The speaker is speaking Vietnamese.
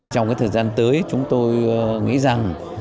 trong thời gian tới chúng tôi nghĩ rằng